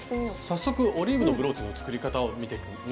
早速「オリーブのブローチ」の作り方を見てみましょう。